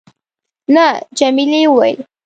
نه. جميلې وويل:.